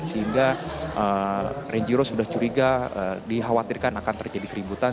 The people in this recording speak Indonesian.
sehingga renjiro sudah curiga dikhawatirkan akan terjadi keributan